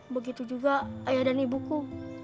begitu juga ayah dan ibuku